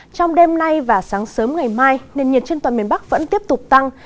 trong đêm nay và sáng sớm ngày mai nền nhiệt trên toàn miền bắc vẫn tiếp tục tăng